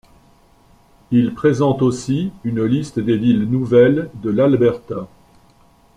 Il présente aussi une liste des villes nouvelles de l'Alberta.